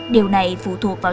điều này phụ thuộc vào